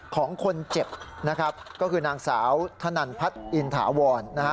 ของคนเจ็บก็คือนางสาวธนันพัฒน์อินถาวร